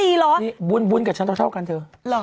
นี่วุ้นกับชั้นต้องเท่ากันเธอ